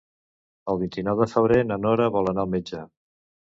El vint-i-nou de febrer na Nora vol anar al metge.